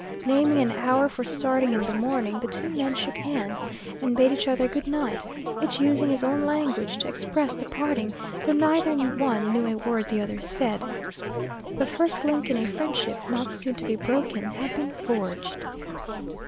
Naming an hour for starting in the morning, the two men shook hands and bade each other good night, each using his own language to express the parting, though neither one knew a word the other said. The first link in a friendship not soon to be broken had been forged.